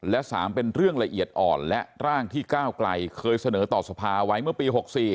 และ๓เป็นเรื่องละเอียดอ่อนและร่างที่ก้าวไกลเคยเสนอต่อสภาไว้เมื่อปี๖๔